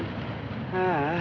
ああ。